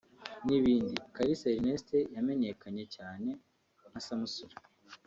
n’ibindi… Kalisa Erneste wamenyekanye cyane nka Samusure